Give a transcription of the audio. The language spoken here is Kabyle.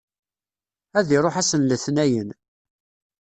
Ad iṛuḥ ass n letnayen.